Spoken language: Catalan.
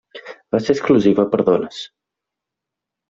Va ser exclusiva per a dones.